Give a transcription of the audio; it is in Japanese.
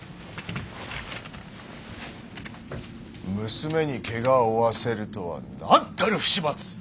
娘にけがを負わせるとはなんたる不始末！